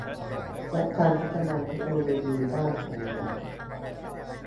และพัฒนาเทคโนโลยีด้านพลังงาน